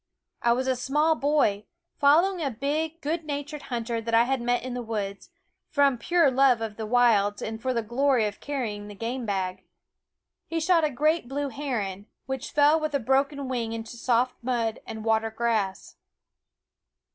I was a small boy, following a big good natured hunter that I met in the woods, from pure love of the wilds and for the glory of carrying the game bag. He shot a great blue heron, which fell with a broken wing into soft mud and water grass.